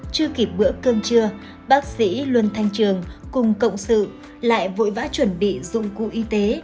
chưa kịp bữa cơm trưa bác sĩ luân thanh trường cùng cộng sự lại vội vã chuẩn bị dụng cụ y tế